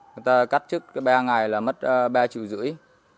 người ta cắt trước ba ngày là mất ba triệu rưỡi